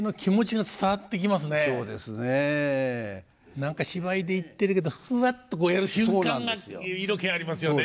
何か芝居で言ってるけどふわっとこうやる瞬間が色気ありますよね。